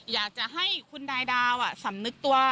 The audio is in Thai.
อยากจะให้คุณนายดาวสำนึกตัว